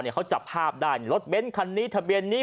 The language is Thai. เขาจับภาพได้รถเบ้นคันนี้ทะเบียนนี้